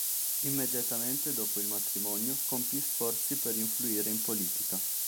Immediatamente dopo il matrimonio, compì sforzi per influire in politica.